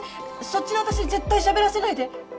そっちの私に絶対しゃべらせないで。